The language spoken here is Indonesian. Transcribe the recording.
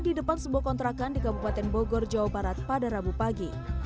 di depan sebuah kontrakan di kabupaten bogor jawa barat pada rabu pagi